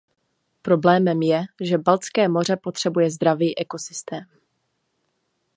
Problémem je, že Baltské moře potřebuje zdravý ekosystém.